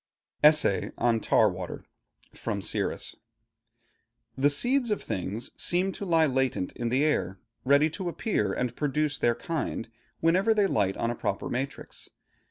ESSAY ON TAR WATER From 'Siris' The seeds of things seem to lie latent in the air, ready to appear and produce their kind, whenever they light on a proper matrix.